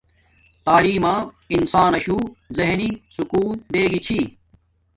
تعیلم ما انسان ناشو زہنی سکون دے گی چھی